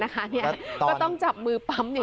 ก็ต้องจับมือปั๊มอย่างนี้